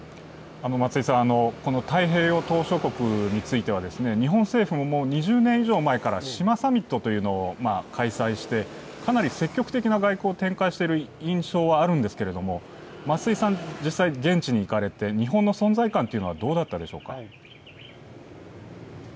この太平洋島しょ国については日本政府ももう２０年以上前から島サミットというのを展開して、かなり積極的な外交を展開している印象はあるんですけれども、松井さん、実際現地に行かれて日本の存在感はどうだったでしょうか？